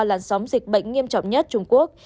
làn sóng dịch bệnh nghiêm trọng nhất trung quốc